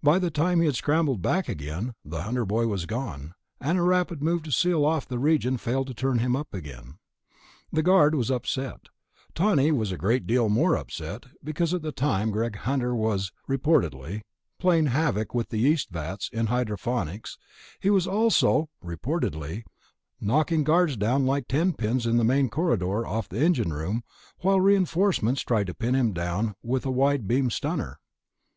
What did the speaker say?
By the time he had scrambled back again, the Hunter boy was gone, and a rapid move to seal off the region failed to turn him up again. The guard was upset; Tawney was a great deal more upset, because at the time Greg Hunter was (reportedly) playing havoc with the yeast vats in Hydroponics he was also (reportedly) knocking guards down like ten pins in the main corridor off the engine room while reinforcements tried to pin him down with a wide beam stunner....